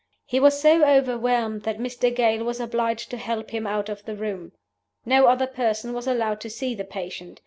He was so overwhelmed that Mr. Gale was obliged to help him out of the room. No other person was allowed to see the patient.